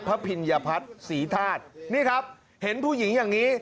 พิญญพัฒน์ศรีธาตุนี่ครับเห็นผู้หญิงอย่างนี้